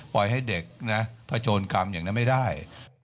ปล่อยให้เด็กนะผโชนกรรมอย่างนั้นไม่ได้